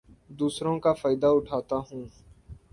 دوسروں کا فائدہ اٹھاتا ہوں